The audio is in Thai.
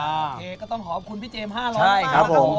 อ่าโอเคก็ต้องขอบคุณพี่เจมส์๕๐๐นะครับครับผม